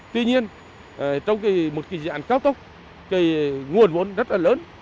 tuy nhiên trong một dự án cao tốc nguồn vốn rất là lớn